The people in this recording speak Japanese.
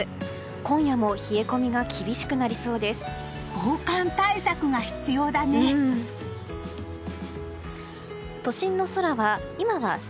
今夜も冷え込みが厳しくなりそうです。